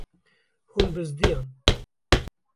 Hûn bizdiyan.